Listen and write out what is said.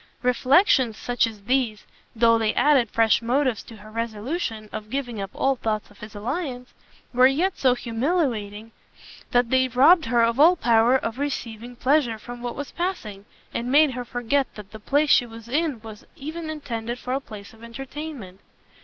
Reflections such as these, though they added fresh motives to her resolution of giving up all thoughts of his alliance, were yet so humiliating, that they robbed her of all power of receiving pleasure from what was passing, and made her forget that the place she was in was even intended for a place of entertainment.